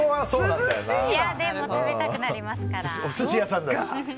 でも、食べたくなりますから。